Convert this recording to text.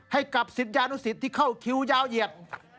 ให้กับศิษยานุสิตที่เข้าคิวยาวเหยียด